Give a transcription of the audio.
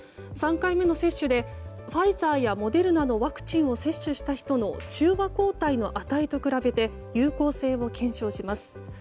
３回目の接種でファイザーやモデルナのワクチンを接種した人の中和抗体の値と比べて有効性を検証します。